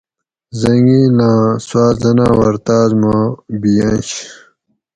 حٔنگیلاۤں سوا حٔناۤور تاس ما ِبیٔنش